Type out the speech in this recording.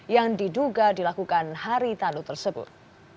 yang diduga dilakukan hari talu tersebut